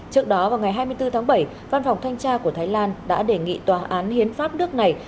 trước đó vào ngày hai mươi bốn tháng bảy văn phòng thanh tra của thái lan đã đề nghị tòa án hiến pháp nước này